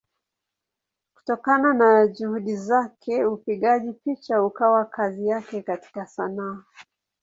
Kutokana na Juhudi zake upigaji picha ukawa kazi yake katika Sanaa.